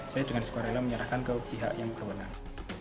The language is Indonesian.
saya dengan sukarela menyerahkan ke pihak yang berwenang